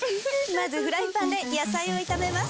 まずフライパンで野菜を炒めます。